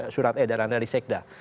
surat edaran dari sekda